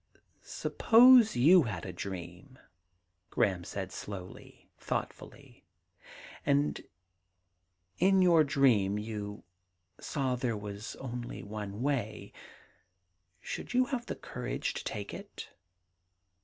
* Suppose you had a dream,' Graham said slowly, thoughtfully, * and in your dream you saw there was . only one way— should you have the courage to take it?